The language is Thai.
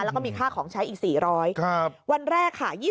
แล้วก็มีค่าของใช้อีก๔๐๐